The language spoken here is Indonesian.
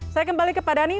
saya kembali ke pak dhani